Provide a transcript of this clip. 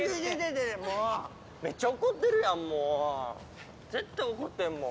もうめっちゃ怒ってるやんもう絶対怒ってんもん